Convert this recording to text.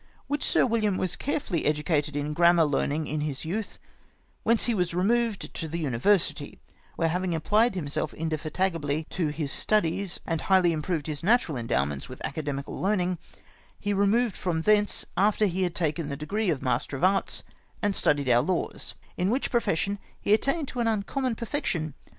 " Wliich Sir William was very carefully educated in grammar learning in his youth, whence he was removed to the univer sity; where having applied himself indefatigably to his studies, and highly improved his natural endowments with academical learnings he removed from thence after he had taken the degree of JMaster of Arts, and studied our laws ; in which profession he attained to an uncommon perfection.